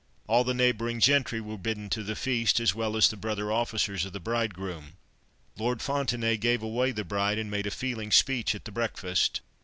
All the neighbouring gentry were bidden to the feast, as well as the brother officers of the bridegroom. Lord Fontenaye gave away the bride, and made a feeling speech at the breakfast.